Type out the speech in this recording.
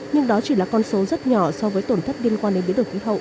nhưng đó chỉ là con số rất nhỏ so với tổn thất liên quan đến biến đổi khí hậu